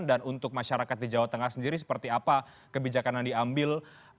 dan untuk masyarakat di jawa tengah sendiri seperti apa kebijakan yang diambil